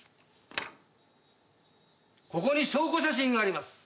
ここに証拠写真があります。